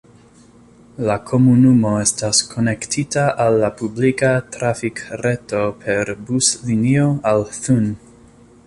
La komunumo estas konektita al la publika trafikreto per buslinio al Thun.